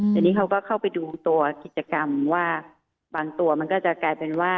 แต่นี่เขาก็เข้าไปดูตัวกิจกรรมว่าบางตัวมันก็จะกลายเป็นว่า